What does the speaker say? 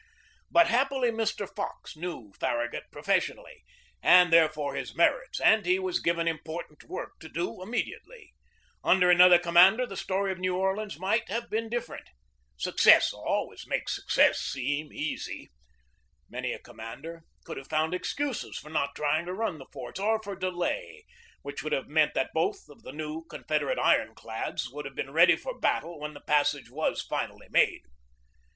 But happily Mr. Fox knew Farragut professionally, and therefore his merits, and he was given important work to do immediately. Under another com mander the story of New Orleans might have been different. Success always makes success seem easy. Many a commander could have found excuses for not trying to run the forts or for delay, which would have meant that both of the new Confederate iron clads would have been ready for battle when the passage was finally made.